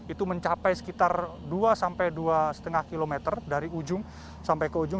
itu mencapai sekitar dua sampai dua lima km dari ujung sampai ke ujung